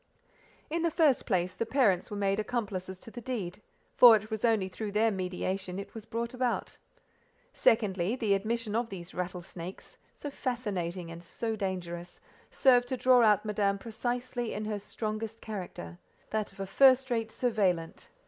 In the first place, the parents were made accomplices to the deed, for it was only through their mediation it was brought about. Secondly: the admission of these rattlesnakes, so fascinating and so dangerous, served to draw out Madame precisely in her strongest character—that of a first rate surveillante.